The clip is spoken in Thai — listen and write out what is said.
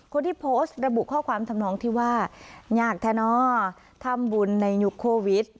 คนที่โพสต์ระบุข้อความทำนองที่ว่าอยากทะเนาะทำบุญในยุคโควิด